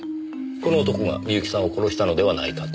この男が深雪さんを殺したのではないかと。